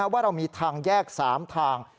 ว่าเรามีทางแยก๓ทาง